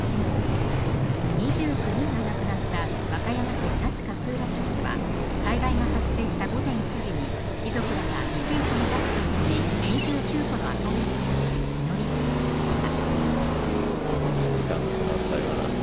２９人が亡くなった和歌山県那智勝浦町では災害が発生した午前１時に遺族らが犠牲者の数と同じ２９個の明かりをともし祈りを捧げました。